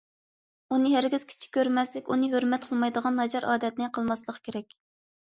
ئۇنى ھەرگىز كىچىك كۆرمەسلىك، ئۇنى ھۆرمەت قىلمايدىغان ناچار ئادەتنى قىلماسلىق كېرەك.